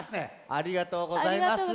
ありがとうございます。